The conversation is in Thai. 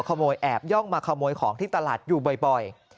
แอบย่องมาขโมยของที่ตลาดอยู่บ่อย